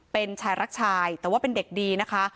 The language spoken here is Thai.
เป็นชายรักชายแต่ว่าเป็นเด็กดีนะคะ